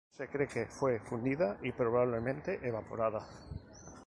Se cree que fue fundida y probablemente, evaporada.